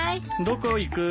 どこ行く？